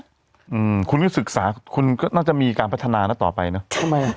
อืมคุณก็ศึกษาคุณก็น่าจะมีการพัฒนานะต่อไปเนอะทำไมอ่ะ